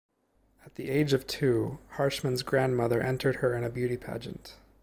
At the age of two, Harshman's grandmother entered her in a beauty pageant.